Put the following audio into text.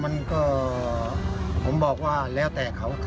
มันก็ผมบอกว่าแล้วแต่เขา